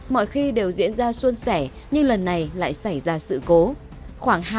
mọi khi đều diễn ra xuân sẻ nhưng lần này lại xảy ra sự cố